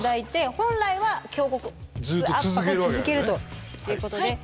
本来は胸骨圧迫を続けるということで。